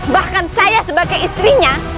bahkan saya sebagai istrinya